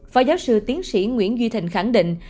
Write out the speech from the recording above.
phó giáo sư tiến sĩ nguyễn duy thành khẳng định